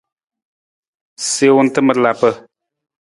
Siwung tamar lapa.